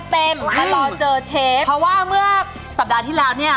เพราะว่าเมื่อสัปดาห์ที่แล้วเนี่ย